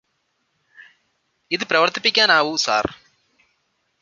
ഇത് പ്രവര്ത്തിപ്പിക്കാനാവൂ സര്